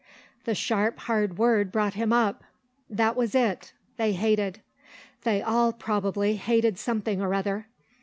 The sharp, hard word brought him up. That was it; they hated. They all, probably, hated something or other.